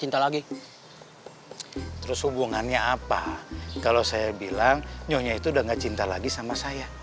cinta lagi terus hubungannya apa kalau saya bilang nyonya itu udah gak cinta lagi sama saya